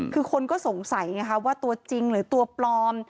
คือคนก็สงสัยไงคะว่าตัวจริงหรือตัวปลอม